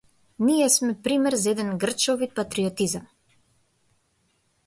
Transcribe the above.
Ние сме пример за еден грчовит патриотизам.